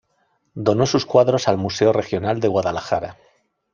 Donó sus cuadros al Museo Regional de Guadalajara.